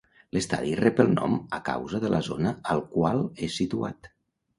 L'estadi rep el nom a causa de la zona al qual és situat.